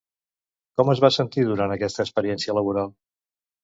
Com es va sentir, durant aquesta experiència laboral?